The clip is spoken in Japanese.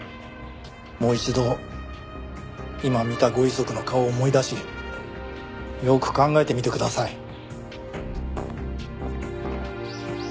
もう一度今見たご遺族の顔を思い出しよく考えてみてください。